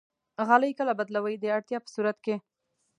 غالۍ کله بدلوئ؟ د اړتیا په صورت کې